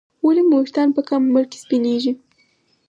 ولې مو ویښتان په کم عمر کې سپینېږي